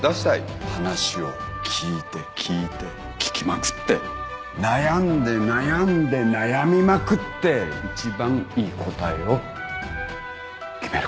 話を聞いて聞いて聞きまくって悩んで悩んで悩みまくって一番いい答えを決めること。